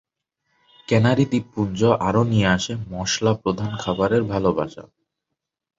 Canary দ্বীপপুঞ্জ আরো নিয়ে আসে "মশলা প্রধান খাবারের ভালোবাসা"।